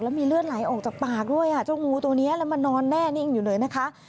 มีเลือดไหลออกจากปากด้วยเจ้างูตัวนี้แล้วมานอนแน่นิ่งอยู่เลยนะคะ